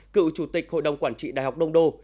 cựu chủ tịch hội đồng quản trị đại học đông đô